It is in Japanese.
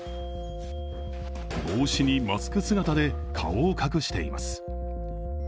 帽子にマスク姿で顔を隠しています。